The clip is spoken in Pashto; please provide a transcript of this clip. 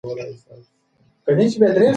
ته ډیره ښکلې او مهربانه یې.